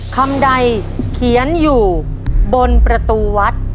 คำใดเขียนอยู่บนประตูวัด